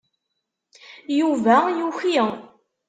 Yuba yuki.